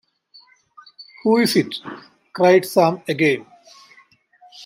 ‘Who is it?’ cried Sam again.